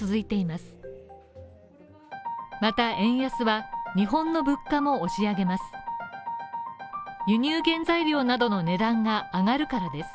また円安は日本の物価も押し上げます。